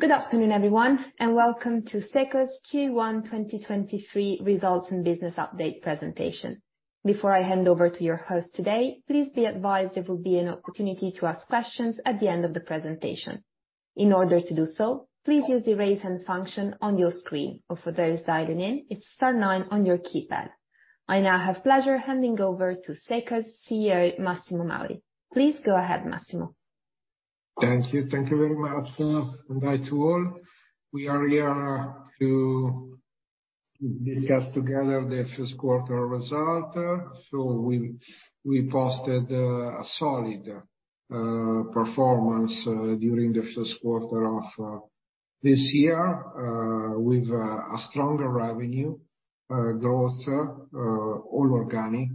Good afternoon, everyone. Welcome to SECO Q1 2023 results and business update presentation. Before I hand over to your host today, please be advised there will be an opportunity to ask questions at the end of the presentation. In order to do so, please use the raise hand function on your screen or for those dialing in, it's star nine on your keypad. I now have pleasure handing over to SECO CEO Massimo Mauri. Please go ahead, Massimo. Thank you. Thank you very much. Hi to all. We are here to discuss together the first quarter result. We posted a solid performance during the first quarter of this year with a stronger revenue growth, all organic,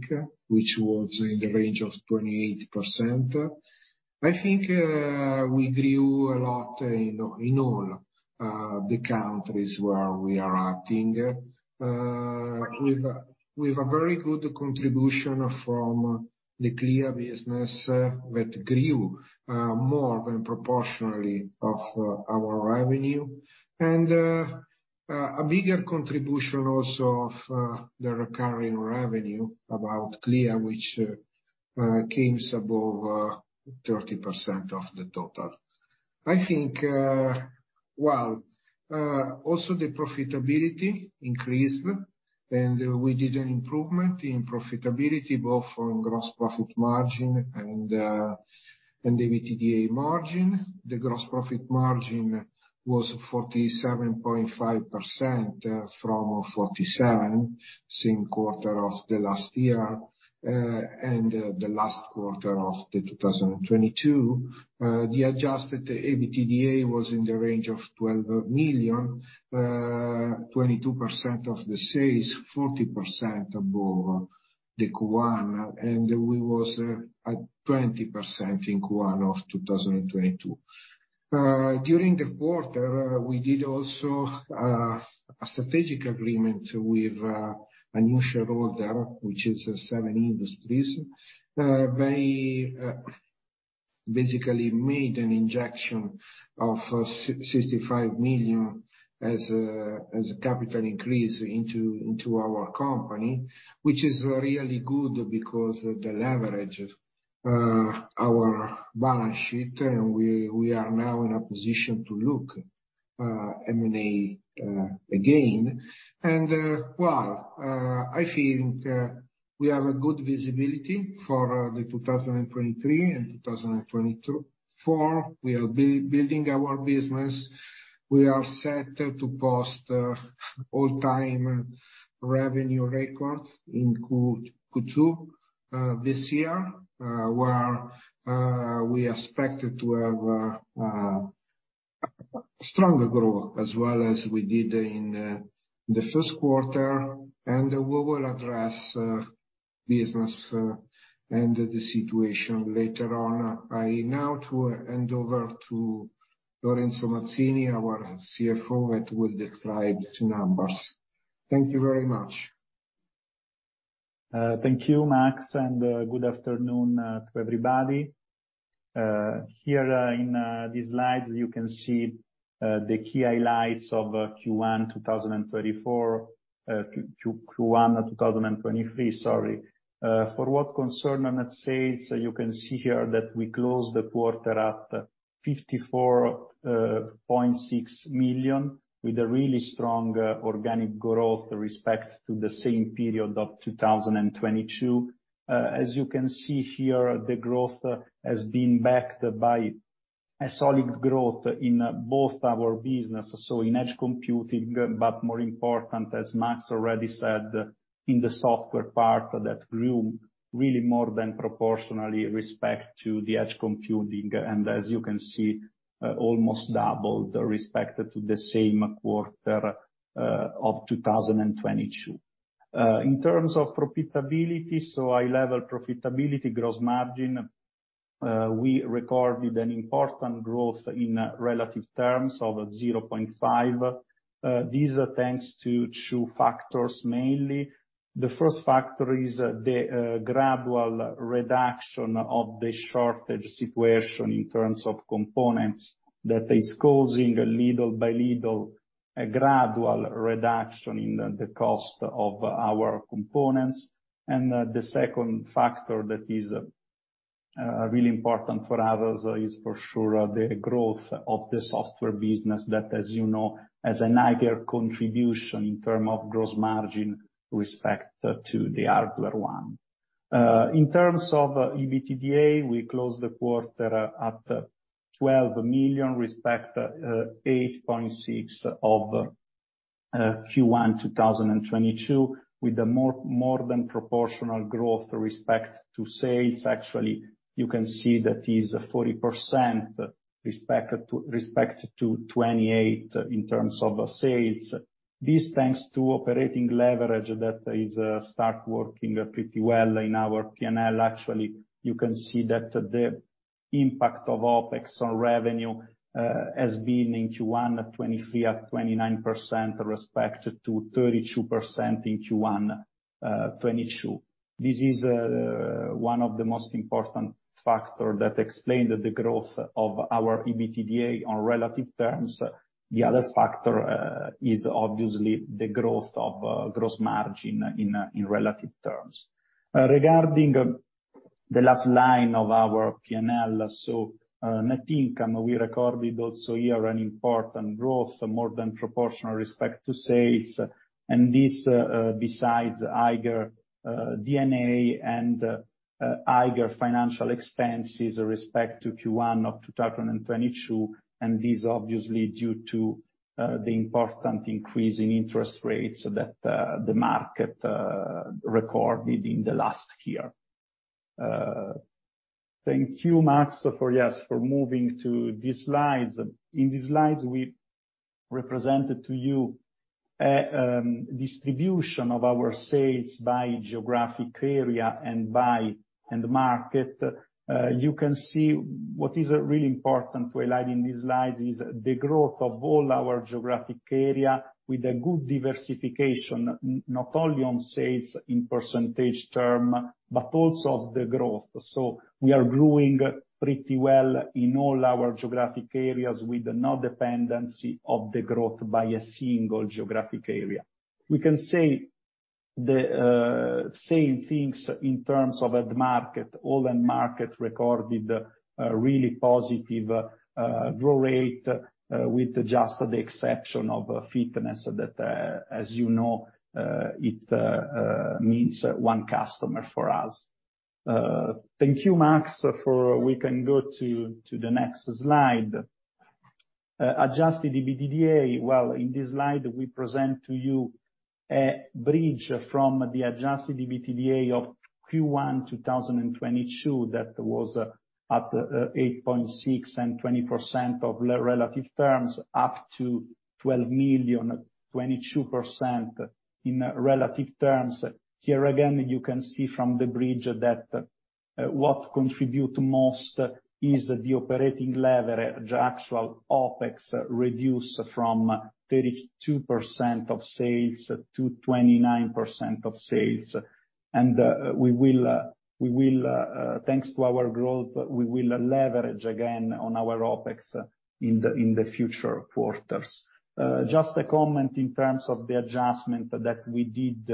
which was in the range of 28%. I think we grew a lot in all the countries where we are acting with a very good contribution from the Clea business that grew more than proportionally of our revenue. A bigger contribution also of the recurring revenue about Clea, which comes above 30% of the total. I think, well, also the profitability increased, and we did an improvement in profitability, both on gross profit margin and EBITDA margin. The gross profit margin was 47.5% from 47% same quarter of the last year and the last quarter of 2022. The adjusted EBITDA was in the range of 12 million, 22% of the sales, 40% above the Q1. We was at 20% in Q1 2022. During the quarter, we did also a strategic agreement with a new shareholder, which is a 7-Industries. They basically made an injection of 65 million as a, as a capital increase into our company, which is really good because of the leverage of our balance sheet. We are now in a position to look M&A again. Well, I think we have a good visibility for 2023 and 2024. We are building our business. We are set to post all-time revenue record in Q2 this year, where we expected to have stronger growth as well as we did in the first quarter. We will address business and the situation later on. I now to hand over to Lorenzo Mazzini, our CFO, that will describe the numbers. Thank you very much. Thank you, Max, good afternoon to everybody. Here in these slides, you can see the key highlights of Q1 2024. Q1 2023, sorry. For what concern net sales, you can see here that we closed the quarter at 54.6 million, with a really strong organic growth respect to the same period of 2022. As you can see here, the growth has been backed by a solid growth in both our business, so in edge computing, but more important, as Max already said, in the software part that grew really more than proportionally respect to the edge computing, as you can see, almost doubled respect to the same quarter of 2022. In terms of profitability, so high level profitability, gross margin, we recorded an important growth in relative terms of 0.5%. This thanks to two factors mainly. The first factor is the gradual reduction of the shortage situation in terms of components that is causing, little by little, a gradual reduction in the cost of our components. The second factor that is really important for others is for sure the growth of the software business that, as you know, has a higher contribution in terms of gross margin respect to the hardware one. In terms of EBITDA, we closed the quarter at 12 million respect 8.6 million of Q1 2022 with a more than proportional growth respect to sales. You can see that is 40% respect to 28 in terms of sales. Thanks to operating leverage that is start working pretty well in our P&L. You can see that the impact of OpEx on revenue has been in Q1 at 23% or 29% respect to 32% in Q1 2022. Is one of the most important factor that explain the growth of our EBITDA on relative terms. Other factor is obviously the growth of gross margin in relative terms. Regarding the last line of our P&L, so net income, we recorded also here an important growth, more than proportional respect to sales [and these are besides higher D&A]. And higher financial expenses respect to Q1 2022, and this obviously due to the important increase in interest rates that the market recorded in the last year. Thank you, Max, for moving to these slides. In these slides, we represented to you distribution of our sales by geographic area and by end market. You can see what is really important to highlight in these slides is the growth of all our geographic area with a good diversification, not only on sales in percentage term, but also of the growth. We are growing pretty well in all our geographic areas with no dependency of the growth by a single geographic area. We can say the same things in terms of end market. All end market recorded a really positive grow rate, with just the exception of fitness that, as you know, it means one customer for us. Thank you, Max, for we can go to the next slide. Adjusted EBITDA, well, in this slide, we present to you a bridge from the adjusted EBITDA of Q1 2022 that was at 8.6 and 20% of relative terms, up to 12 million, 22% in relative terms. Here again, you can see from the bridge that what contribute most is the operating lever, the actual OpEx reduce from 32% of sales to 29% of sales. We will, thanks to our growth, we will leverage again on our OpEx in the future quarters. Just a comment in terms of the adjustment that we did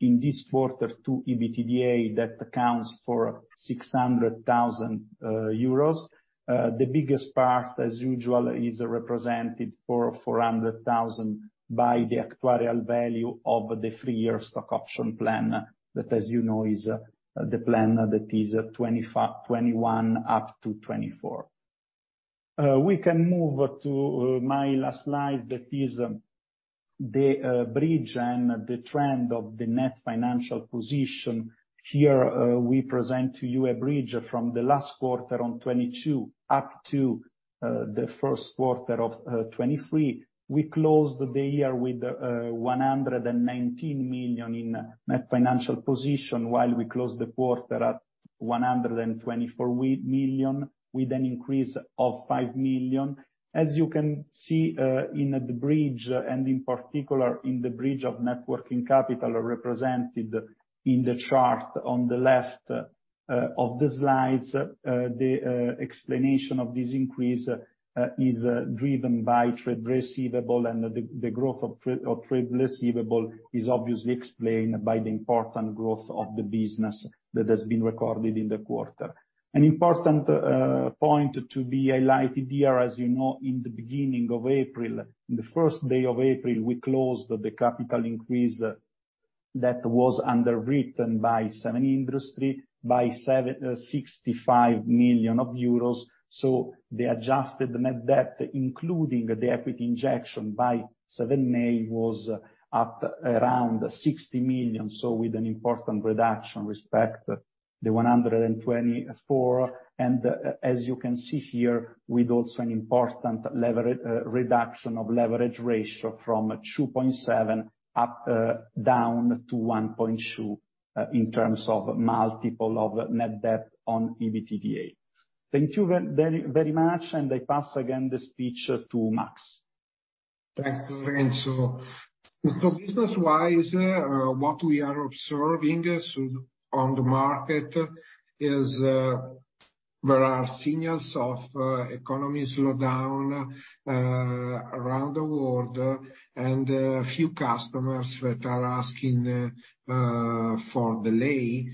in this quarter to EBITDA that accounts for 600,000 euros. The biggest part, as usual, is represented for 400,000 by the actuarial value of the three-year stock option plan that, as you know, is the plan that is 2021 up to 2024. We can move to my last slide that is the bridge and the trend of the net financial position. Here, we present to you a bridge from the last quarter on 2022 up to the first quarter of 2023. We closed the year with 119 million in net financial position while we closed the quarter at 124 million, with an increase of 5 million. As you can see in the bridge, and in particular in the bridge of net working capital represented in the chart on the left of the slides, the explanation of this increase is driven by trade receivable and the growth of trade receivable is obviously explained by the important growth of the business that has been recorded in the quarter. An important point to be highlighted here, as you know, in the beginning of April, the first day of April, we closed the capital increase that was underwritten by 7-Industries by 65 million euros. The adjusted net debt, including the equity injection by 7-Industries was up around 60 million, so with an important reduction respect the 124 million. As you can see here, with also an important reduction of leverage ratio from 2.7 up, down to 1.2 in terms of multiple of net debt on EBITDA. Thank you very much and I pass again the speech to Max. Thank you, Lorenzo. Business-wise, what we are observing so on the market is, there are signals of economy slowdown around the world and a few customers that are asking for delay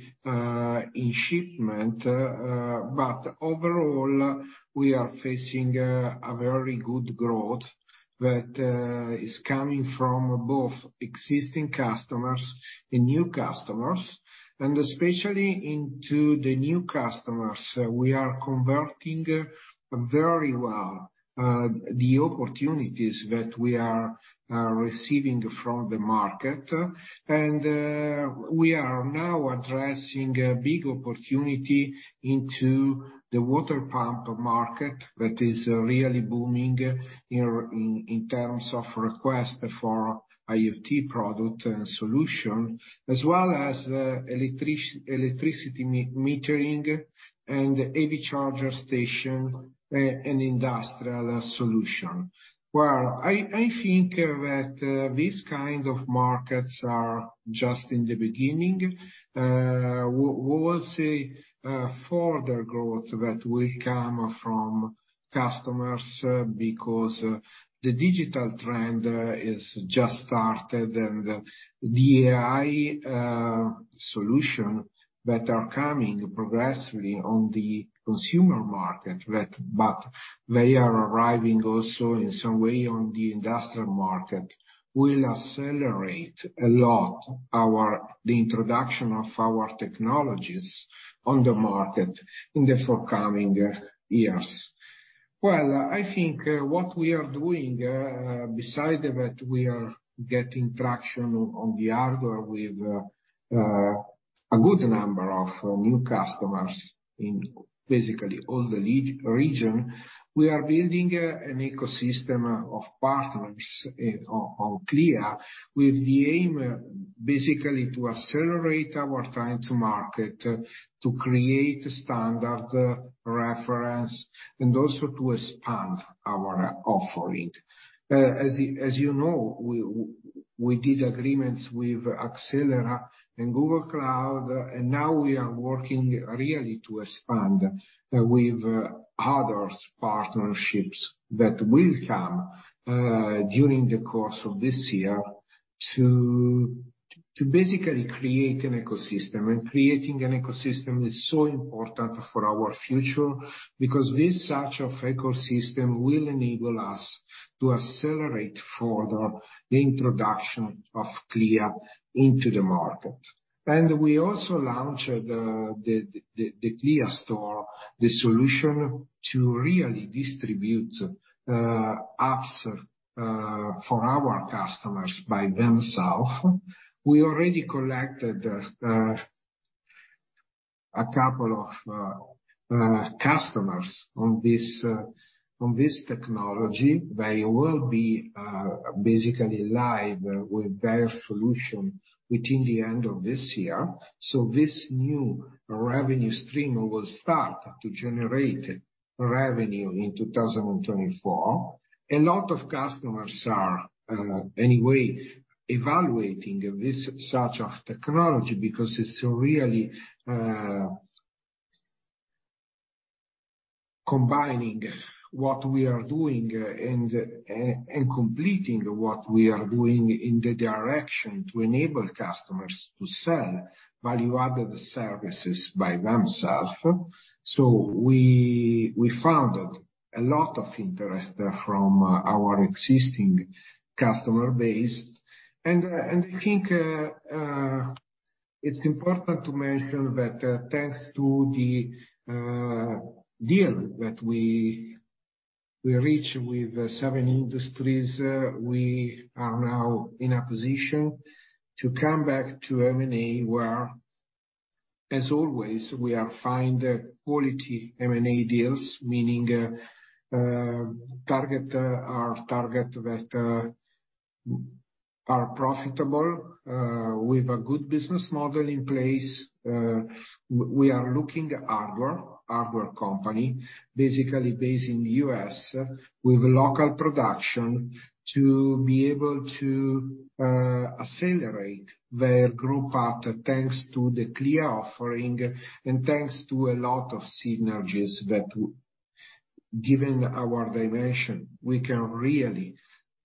in shipment. Overall, we are facing a very good growth that is coming from both existing customers and new customers. Especially into the new customers, we are converting very well the opportunities that we are receiving from the market. We are now addressing a big opportunity into the water pump market that is really booming here in terms of request for IoT product and solution. As well as electricity metering and EV charger station and industrial solution. Well, I think that these kind of markets are just in the beginning. We will see further growth that will come from customers because the digital trend is just started. The AI solution that are coming progressively on the consumer market they are arriving also in some way on the industrial market, will accelerate a lot the introduction of our technologies on the market in the forthcoming years. Well, I think what we are doing beside that we are getting traction on the hardware with a good number of new customers in basically all the region. We are building an ecosystem of partners on Clea, with the aim basically to accelerate our time to market, to create standard reference, and also to expand our offering. As you know, we did agreements with Axelera AI and Google Cloud. Now we are working really to expand with other partnerships that will come during the course of this year to basically create an ecosystem. Creating an ecosystem is so important for our future, because this such of ecosystem will enable us to accelerate further the introduction of Clea into the market. We also launched the Clea store, the solution to really distribute apps for our customers by themself. We already collected a couple of customers on this technology. They will be basically live with their solution within the end of this year. This new revenue stream will start to generate revenue in 2024. A lot of customers are anyway evaluating this such of technology because it's really combining what we are doing and completing what we are doing in the direction to enable customers to sell value-added services by themselves. We found a lot of interest from our existing customer base. I think it's important to mention that thanks to the deal that we reached with 7-Industries, we are now in a position to come back to M&A, where, as always, we are find quality M&A deals. Meaning target our target that are profitable with a good business model in place. We are looking hardware company, basically based in the U.S. with local production, to be able to accelerate their growth path, thanks to the Clea offering and thanks to a lot of synergies that, given our dimension, we can really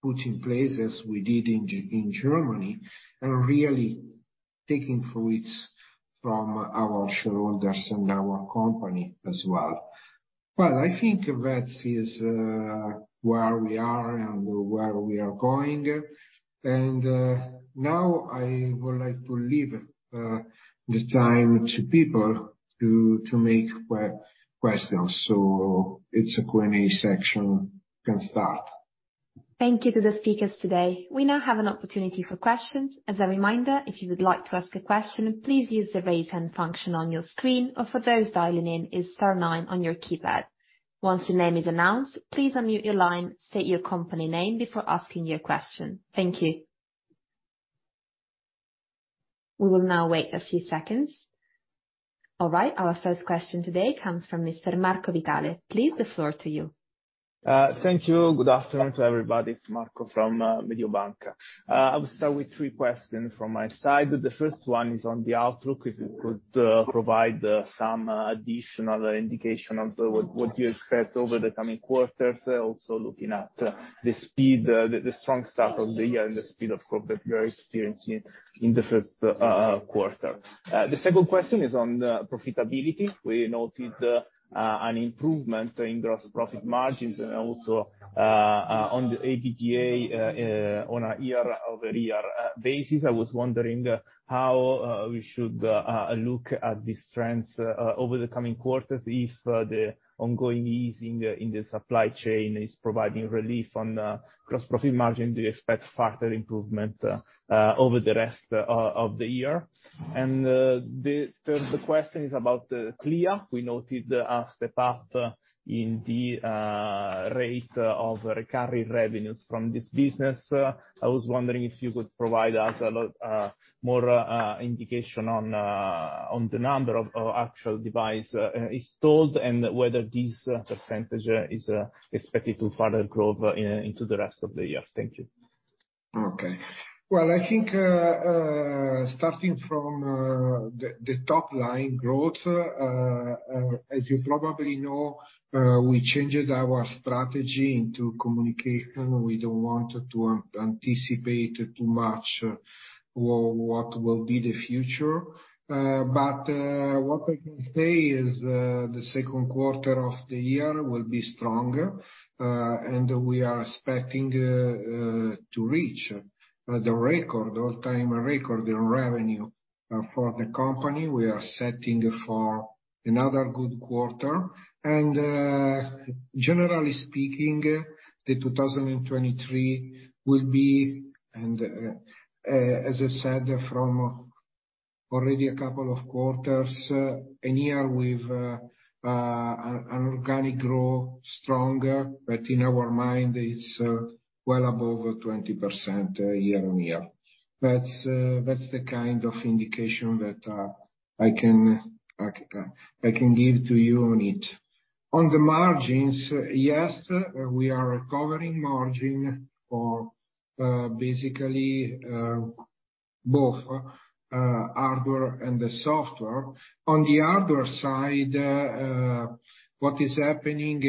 put in place as we did in Germany, and really taking fruits from our shareholders and our company as well. Well, I think that is where we are and where we are going. Now I would like to leave the time to people to make questions. It's Q&A section can start. Thank you to the speakers today. We now have an opportunity for questions. As a reminder, if you would like to ask a question, please use the raise hand function on your screen, or for those dialing in, it's star nine on your keypad. Once your name is announced, please unmute your line, state your company name before asking your question. Thank you. We will now wait a few seconds. All right, our first question today comes from Mr. Marco Vitale. Please, the floor to you. Thank you. Good afternoon to everybody. It's Marco from Mediobanca. I will start with three questions from my side. The first one is on the outlook, if you could provide some additional indication on what you expect over the coming quarters. Also looking at the speed, the strong start of the year and the speed of growth that you are experiencing in the first quarter. The second question is on the profitability. We noted an improvement in gross profit margins and also on the EBITDA on a year-over-year basis. I was wondering how we should look at these trends over the coming quarters if the ongoing easing in the supply chain is providing relief on gross profit margin. Do you expect further improvement over the rest of the year? The third question is about the Clea. We noted a step up in the rate of recovery revenues from this business. I was wondering if you could provide us a lot more indication on the number of actual device installed, and whether this percentage is expected to further grow into the rest of the year. Thank you. Okay. Well, I think, starting from the top line growth, as you probably know, we changed our strategy into communication. We don't want to anticipate too much what will be the future. What I can say is the second quarter of the year will be stronger, and we are expecting to reach the record, all-time record in revenue for the company. We are setting for another good quarter. Generally speaking, 2023 will be... and as I said, from already a couple of quarters, in here we've an organic growth stronger, but in our mind it's well above 20% year-on-year. That's the kind of indication that I can give to you on it. On the margins, yes, we are recovering margin for, basically, both, hardware and the software. On the hardware side, what is happening,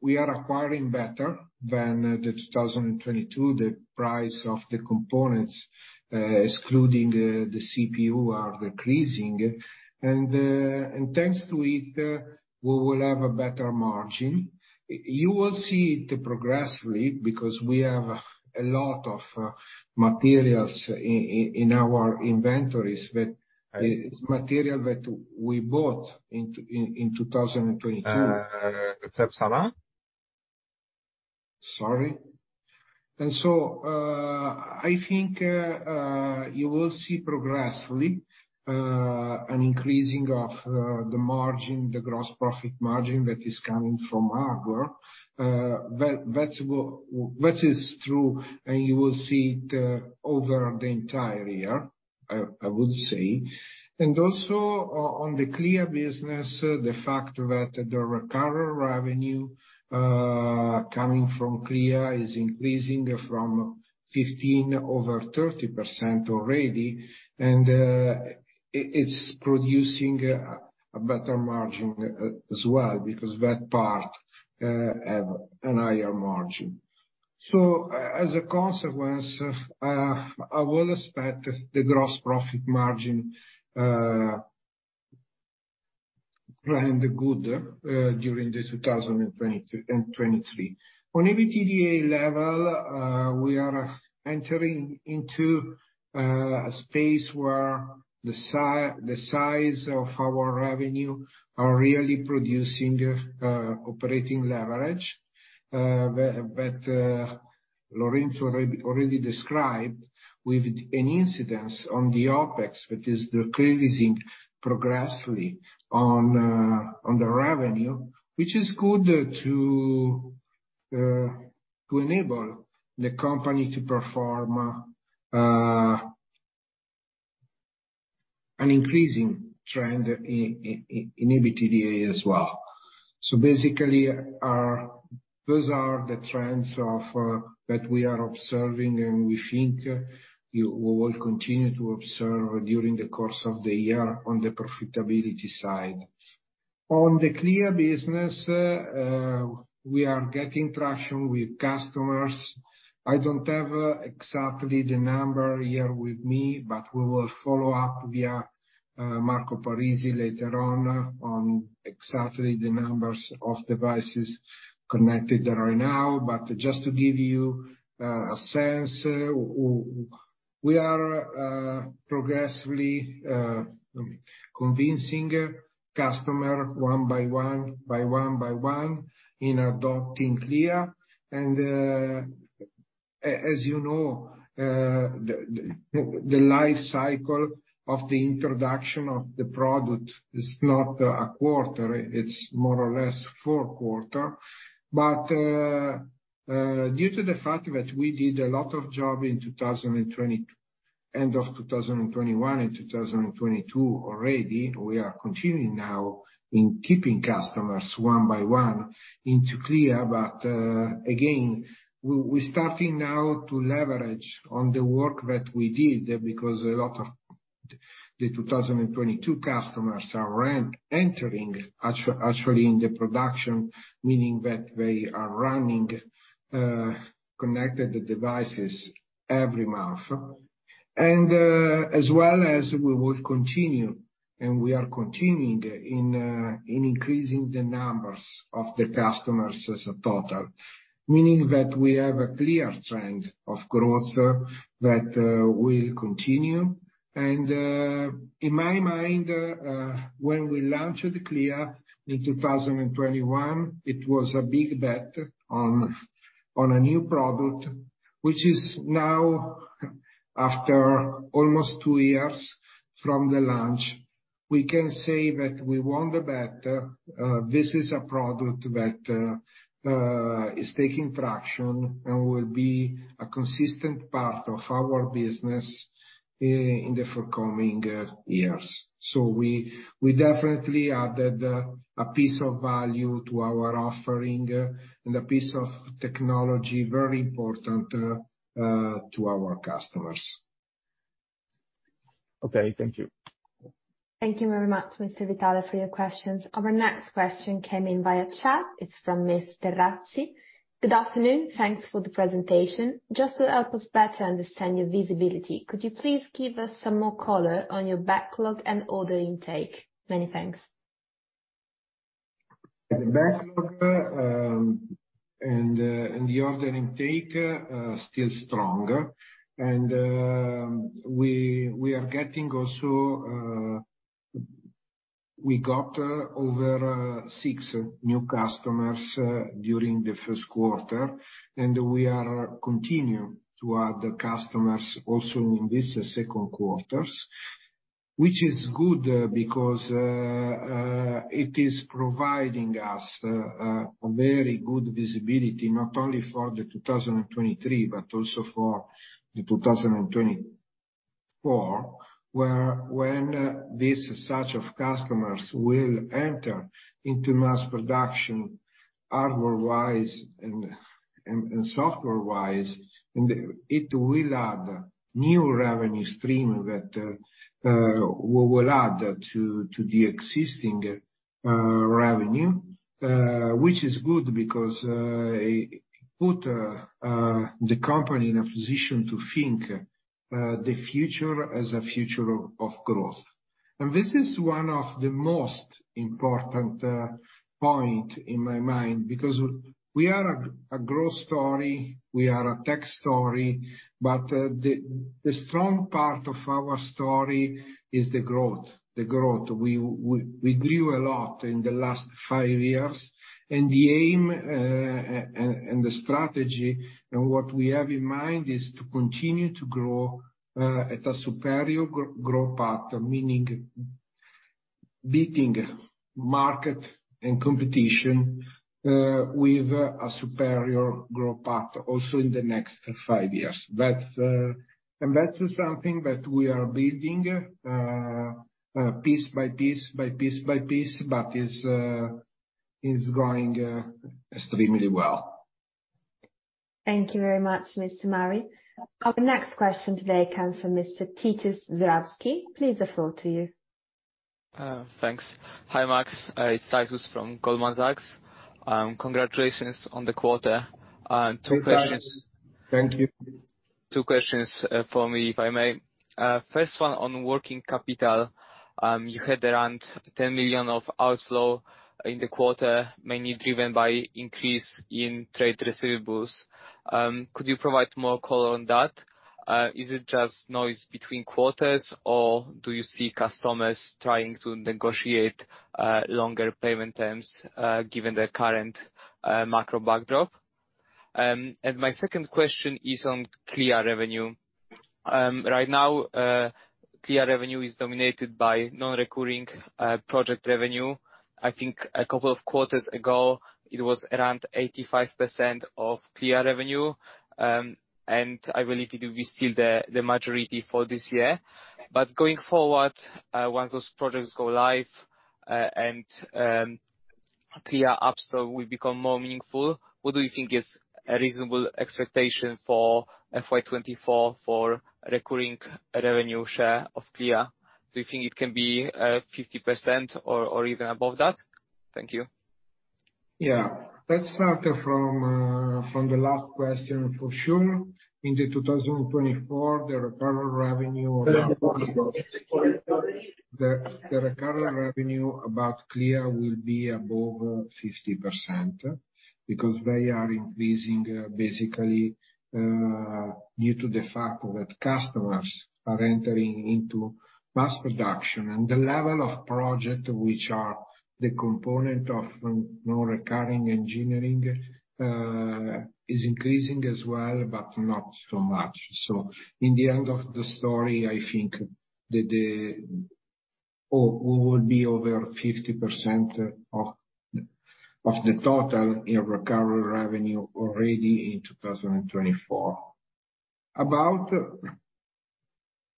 we are acquiring better than 2022, the price of the components, excluding the CPU, are decreasing. Thanks to it, we will have a better margin. You will see it progressively, because we have a lot of materials in our inventories, but it's material that we bought in 2022. [audio distotrtion] Sorry. I think you will see progressively an increasing of the margin, the gross profit margin that is coming from hardware. That is true, and you will see it over the entire year, I would say. on the Clea business, the fact that the recurring revenue coming from Clea is increasing from 15% over 30% already, and it's producing a better margin as well, because that part have a higher margin. As a consequence, I will expect the gross profit margin playing the good during 2023. On EBITDA level, we are entering into a space where the size of our revenue are really producing operating leverage, but Lorenzo already described with an incidence on the OpEx, that is decreasing progressively on the revenue, which is good to enable the company to perform an increasing trend in EBITDA as well. Basically, those are the trends that we are observing, and we think we will continue to observe during the course of the year on the profitability side. On the Clea business, we are getting traction with customers. I don't have exactly the number here with me, but we will follow up via Marco Parisi later on exactly the numbers of devices connected right now. Just to give you a sense, we are progressively convincing customer one by one in adopting Clea. As you know, the life cycle of the introduction of the product is not a quarter, it's more or less four quarters. Due to the fact that we did a lot of job in 2020 end of 2021 and 2022 already, we are continuing now in keeping customers one by one into Clea. Again, we starting now to leverage on the work that we did because a lot of the 2022 customers are entering actually in the production, meaning that they are running connected devices every month. As well as we would continue, and we are continuing in increasing the numbers of the customers as a total, meaning that we have a clear trend of growth that will continue. In my mind, when we launched Clea in 2021, it was a big bet on a new product, which is now after almost two years from the launch, we can say that we won the bet. This is a product that is taking traction and will be a consistent part of our business in the forthcoming years. We definitely added a piece of value to our offering and a piece of technology very important to our customers. Okay, thank you. Thank you very much, Mr. Vitale, for your questions. Our next question came in via chat. It's from Ms. Terrazzi. Good afternoon. Thanks for the presentation. Just to help us better understand your visibility, could you please give us some more color on your backlog and order intake? Many thanks. The backlog and the order intake are still strong. We got over six new customers during the first quarter, and we are continuing to add the customers also in this second quarters, which is good because it is providing us a very good visibility, not only for 2023, but also for 2024, where when this batch of customers will enter into mass production hardware-wise and software-wise, it will add new revenue stream that will add to the existing revenue. Which is good because it put the company in a position to think the future as a future of growth. This is one of the most important point in my mind, because we are a growth story, we are a tech story, but the strong part of our story is the growth. We grew a lot in the last five years. The aim and the strategy and what we have in mind is to continue to grow at a superior growth path, meaning beating market and competition with a superior growth path also in the next five years. That's. That's something that we are building piece by piece, but is going extremely well. Thank you very much, Mr. Mauri. Our next question today comes from Mr. Tytus Żurawski. Please, the floor to you. Thanks. Hi, Max. It's Tytus from Goldman Sachs. Congratulations on the quarter. Two questions. Thank you. Two questions for me, if I may. First one on working capital. You had around 10 million of outflow in the quarter, mainly driven by increase in trade receivables. Could you provide more color on that? Is it just noise between quarters, or do you see customers trying to negotiate longer payment terms given the current macro backdrop? My second question is on Clea revenue. Right now, Clea revenue is dominated by non-recurring project revenue. I think a couple of quarters ago, it was around 85% of Clea revenue, and I believe it will be still the majority for this year. Going forward, once those projects go live, and Clea upsell will become more meaningful, what do you think is a reasonable expectation for FY 2024 for recurring revenue share of Clea? Do you think it can be, 50% or even above that? Thank you. Yeah. Let's start from the last question, for sure. In 2024, the recurring revenue about Clea will be above 60% because they are increasing, basically, due to the fact that customers are entering into mass production. The level of project which are the component of non-recurring engineering, is increasing as well, but not so much. In the end of the story, I think the. Or we will be over 50% of the total in recurring revenue already in 2024. About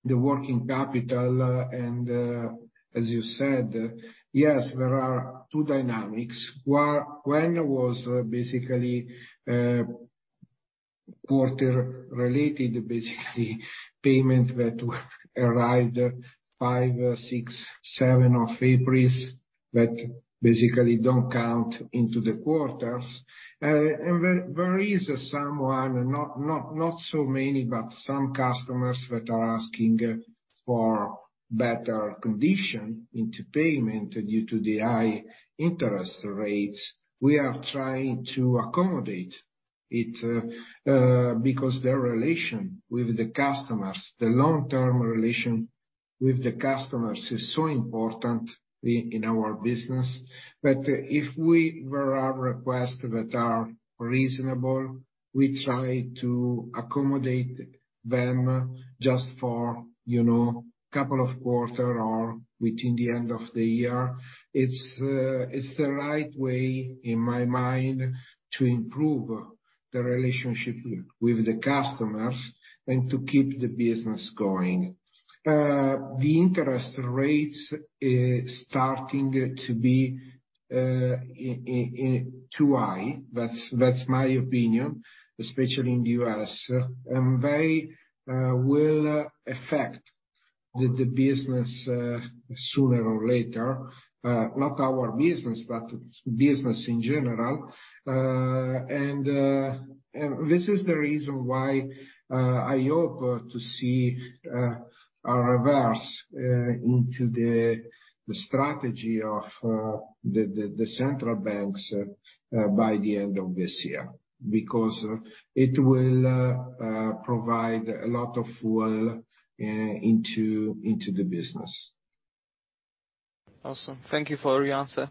the working capital, and as you said, yes, there are two dynamics. When was basically a quarter related, payment that arrived 5, 6, 7 of April, that basically don't count into the quarters. There is someone, not so many, but some customers that are asking for better condition into payment due to the high interest rates. We are trying to accommodate it because their relation with the customers, the long-term relation with the customers is so important in our business. If we were a request that are reasonable, we try to accommodate them just for, you know, couple of quarter or within the end of the year. It's the right way, in my mind, to improve the relationship with the customers and to keep the business going. The interest rates is starting to be in too high. That's my opinion, especially in the U.S. They will affect the business sooner or later. Not our business, but business in general. This is the reason why I hope to see a reverse into the strategy of the central banks by the end of this year, because it will provide a lot of fuel into the business. Awesome. Thank you for your answer.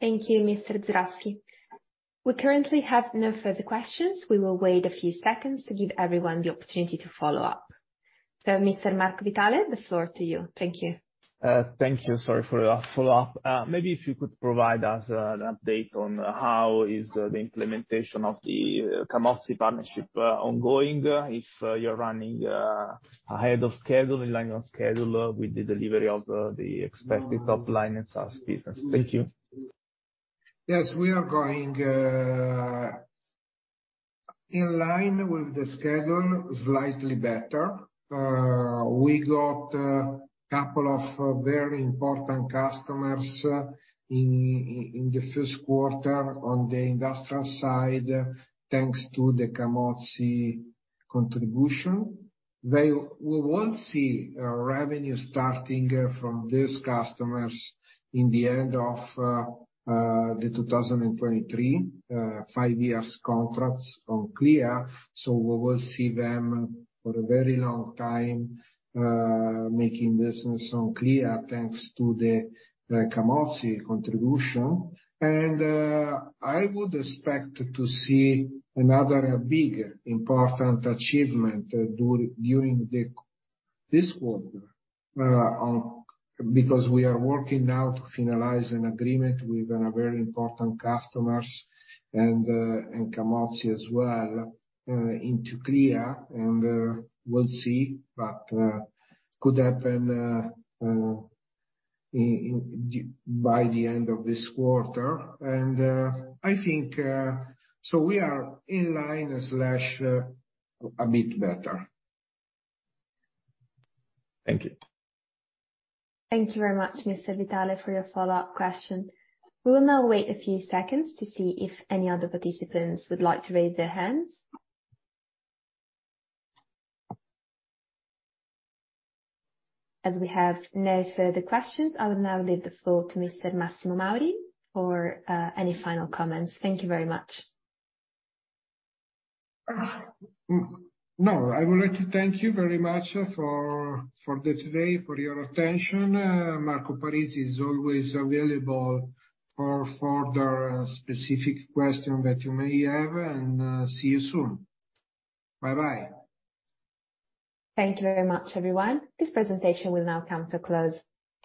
Thank you, Mr. Żurawski. We currently have no further questions. We will wait a few seconds to give everyone the opportunity to follow up. Mr. Marco Vitale, the floor to you. Thank you. Thank you. Sorry for the follow-up. Maybe if you could provide us an update on how is the implementation of the Camozzi partnership ongoing, if you're running ahead of schedule, in line of schedule with the delivery of the expected top line and SaaS business? Thank you. Yes, we are going in line with the schedule, slightly better. We got a couple of very important customers in the first quarter on the industrial side, thanks to the Camozzi contribution. We will see revenue starting from these customers in the end of 2023, five years contracts on Clea. We will see them for a very long time making business on Clea, thanks to the Camozzi contribution. I would expect to see another big important achievement during this quarter because we are working now to finalize an agreement with a very important customers and Camozzi as well into Clea. We'll see what could happen by the end of this quarter. I think we are in line/a bit better. Thank you. Thank you very much, Mr. Vitale, for your follow-up question. We will now wait a few seconds to see if any other participants would like to raise their hands. As we have no further questions, I will now leave the floor to Mr. Massimo Mauri for any final comments. Thank you very much. No, I would like to thank you very much for today, for your attention. Marco Parisi is always available for further specific questions that you may have. See you soon. Bye-bye. Thank you very much, everyone. This presentation will now come to a close.